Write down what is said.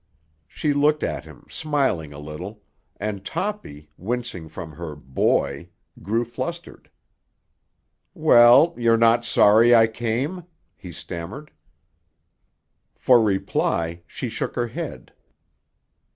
She looked at him, smiling a little, and Toppy, wincing from her "boy," grew flustered. "Well, you're not sorry I came?" he stammered. For reply she shook her head.